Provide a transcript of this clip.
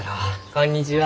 こんにちは。